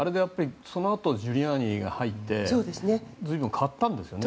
そのあとジュリアーニが入って随分、変わったんですよね。